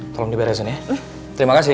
tolong diberesin ya terima kasih